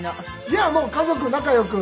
いやもう家族仲良く。